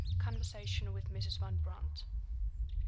CONVERSATION WITH MRS. VAN BRANDT.